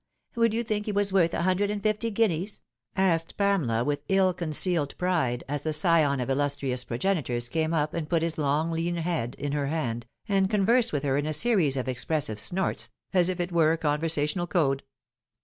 Would you think he waa worth c. hundred and fifty guineas ?" asked Pamela with ill concealed pride, as the scion of illustrious progenitors came up and put his long lean head in her hand, and conversed with her in a series of expressive snouts, as it were a conversational code.